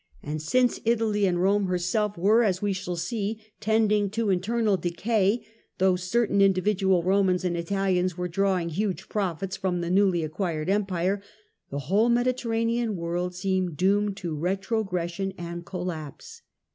And since Italy and Rome herself were as wo shall see — tending to internal decay, though certain indi vidual Romans and Italians were drawing huge profits from the newly acquired empire, the whole Mediterranean world seemed doomed to retrogression and colLapse.